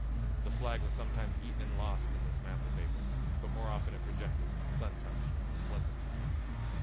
The flag was sometimes eaten and lost in this mass of vapor, but more often it projected, sun touched, resplendent.